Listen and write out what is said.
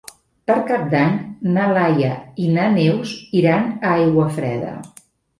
Per Cap d'Any na Laia i na Neus iran a Aiguafreda.